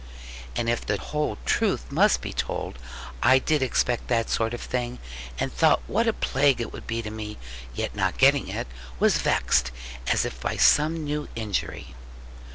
And if the whole truth must be told, I did expect that sort of thing, and thought what a plague it would be to me; yet not getting it, was vexed, as if by some new injury.